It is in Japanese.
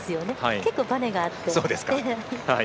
結構ばねがあって。